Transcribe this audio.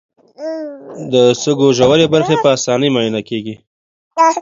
د سږو ژورې برخې په اسانۍ معاینه کېږي.